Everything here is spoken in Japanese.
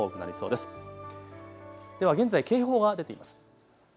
では現在、警報が出ています。